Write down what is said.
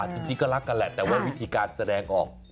จริงก็รักกันแหละแต่ว่าวิธีการแสดงออก